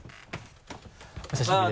お久しぶりです。